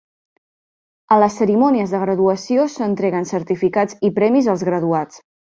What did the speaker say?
A les cerimònies de graduació s'entreguen certificats i premis als graduats.